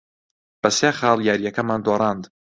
بە سێ خاڵ یارییەکەمان دۆڕاند.